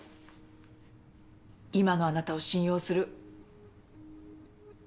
今のあなたを信用する。